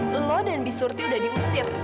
lelah dan bisurti sudah diusir